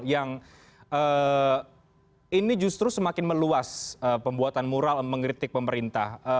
yang ini justru semakin meluas pembuatan mural mengkritik pemerintah